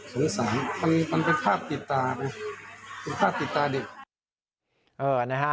สงสารมันเป็นภาพติดตาเป็นภาพติดตาเด็ก